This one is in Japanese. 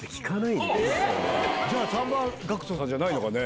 ・じゃあ３番ＧＡＣＫＴさんじゃないのかね？